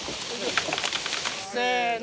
せの。